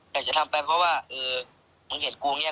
อยากจะทำไปเพราะว่าเออมึงเห็นกูเนี่ย